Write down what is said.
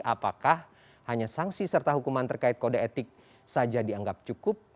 apakah hanya sanksi serta hukuman terkait kode etik saja dianggap cukup